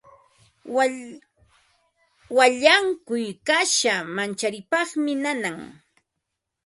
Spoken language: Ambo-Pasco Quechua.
Wallankuy kasha mancharipaqmi nanan.